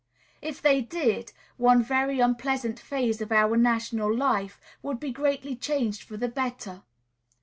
If they did, one very unpleasant phase of our national life would be greatly changed for the better.